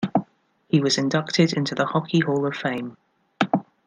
He was inducted into the Hockey Hall of Fame.